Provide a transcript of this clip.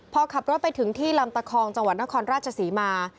พอขับรถไปถึงที่ลำตะคองจังหวัดนครราชศรีมา